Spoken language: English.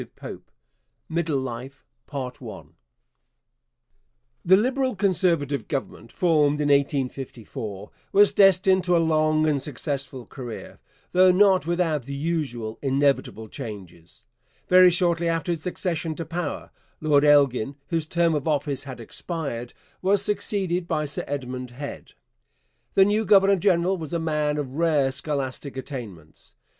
CHAPTER II MIDDLE LIFE The Liberal Conservative Government formed in 1854 was destined to a long and successful career, though not without the usual inevitable changes. Very shortly after its accession to power, Lord Elgin, whose term of office had expired, was succeeded by Sir Edmund Head. The new governor general was a man of rare scholastic attainments.